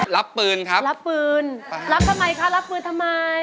รับปืนครับรับปืนรับทำไมคะรับปืนทำไม